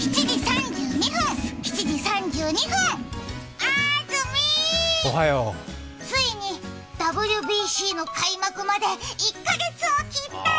あーずみー、ついにＷＢＣの開幕まで１か月を切ったよ。